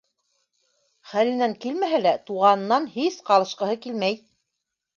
Хәленән килмәһә лә туғанынан һис ҡалышҡыһы килмәй.